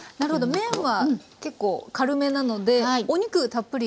麺は結構軽めなのでお肉たっぷり。